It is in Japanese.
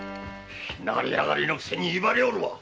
成り上がりのくせに威張りおるわ！